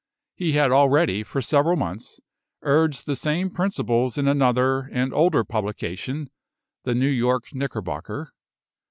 He had already, for several months, urged the same principles in another and older publication (the New York "Knickerbocker").